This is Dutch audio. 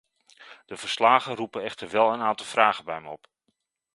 Deze verslagen roepen echter wel een aantal vragen bij me op.